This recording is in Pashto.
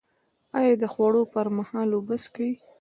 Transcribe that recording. ایا د خوړو پر مهال اوبه څښئ؟